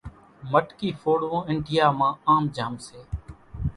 مٽڪي ڦوڙوون انڍيا مان آم جام سي